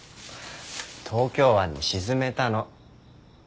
東京湾に沈めたの。